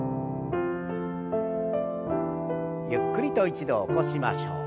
ゆっくりと一度起こしましょう。